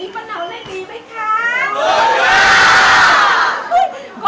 วันนี้ประนับได้ดีไหมคะ